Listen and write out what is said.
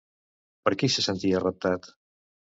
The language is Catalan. Per qui se sentia reptat?